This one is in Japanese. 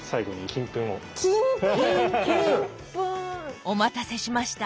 金粉！お待たせしました。